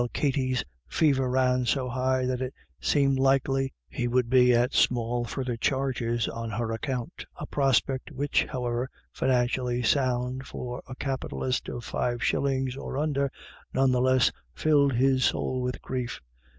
301 Katty's fever ran so high that it seemed likely he would be at small further charges on her account — a prospect which, however financially sound for a capitalist of five shillings or under, none the less filled his soul with grief.